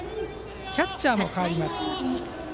キャッチャーも代わります。